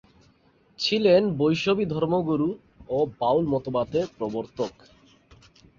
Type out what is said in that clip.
ছিলেন বৈষ্ণবী ধর্মগুরু ও বাউল মতবাদের প্রবর্তক।